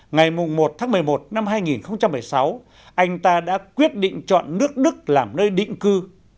ngày một tháng một mươi một năm hai nghìn một mươi sáu anh ta đã quyết định chọn nước đức làm nơi định cư